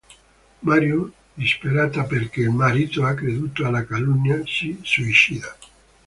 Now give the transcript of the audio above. Marion, disperata perché il marito ha creduto alla calunnia, si suicida.